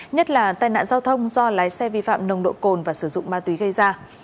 nhất là tai nạn giao thông do lái xe vi phạm nồng độ cồn và sử dụng ma túy gây ra